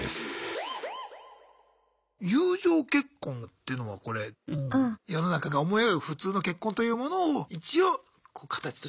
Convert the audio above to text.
友情結婚っていうのはこれ世の中が思い描く普通の結婚というものを一応形として見せるためにする結婚。